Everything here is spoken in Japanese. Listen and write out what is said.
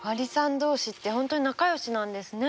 同士って本当に仲良しなんですね。